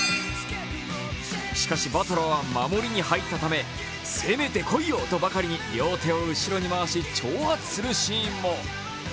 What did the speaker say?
しかし、バトラーは守りに入ったため、攻めて来いよとばかり両手を後ろに回し挑発するシーンも。